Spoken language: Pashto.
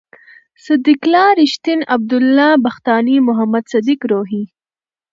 صد یق الله رېښتین، عبد الله بختاني، محمد صدیق روهي